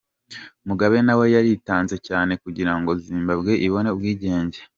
Mugabe nawe yaritanze cyane kugira ngo Zimbabwe ibone ubwigenge.